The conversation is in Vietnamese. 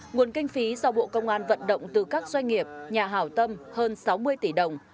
nguồn kinh phí do bộ công an vận động từ các doanh nghiệp nhà hảo tâm hơn sáu mươi tỷ đồng